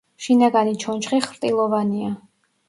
შინაგანი ჩონჩხი ხრტილოვანია.